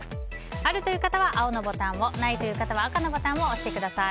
あるという方は青のボタンをないという方は赤のボタンを押してください。